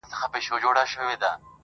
چي دا ولي؟ راته ووایاست حالونه -